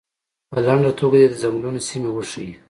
په لنډه توګه دې د څنګلونو سیمې وښیي.